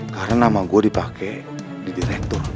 karena nama gue dipake di direktur